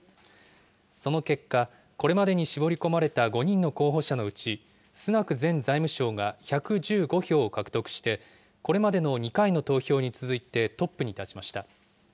その結果、これまでに絞り込まれた５人の候補者のうち、スナク前財務相が１１５票を獲得して、これまでの２回の投票に続いてトップに立ちました。